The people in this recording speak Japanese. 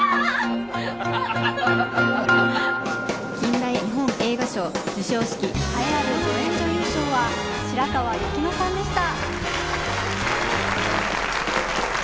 近代日本映画賞授賞式栄えある助演女優賞は白川雪乃さんでした。